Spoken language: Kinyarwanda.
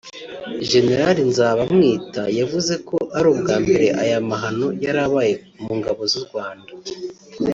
Gen Nzabamwita yavuze ko ari ubwa mbere aya mahano yari abaye mu ngabo z’u Rwanda